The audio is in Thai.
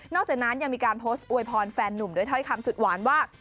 จากนั้นยังมีการโพสต์อวยพรแฟนนุ่มด้วยถ้อยคำสุดหวานว่า